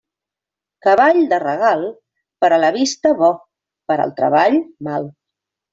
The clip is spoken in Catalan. Cavall de regal, per a la vista bo, per al treball mal.